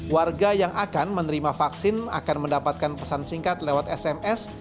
warga yang akan menerima vaksin akan mendapatkan pesan singkat lewat sms